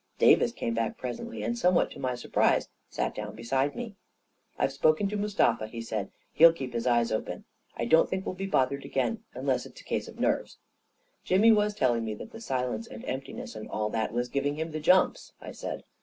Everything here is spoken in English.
Davis came back presently, and somewhat to my surprise, sat down beside me. "I've spoken to Mustafa," he said; "he'll keep his eyes open. I don't think we'll be bothered again — unless it's a case of nerves." " Jimmy was telling me that the silence and empti ness and all that was giving him the jumps," I said.